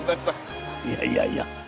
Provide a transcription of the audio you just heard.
いやいやいや